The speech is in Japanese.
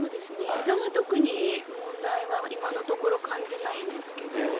ひざは特に問題は今のところ感じないんですけど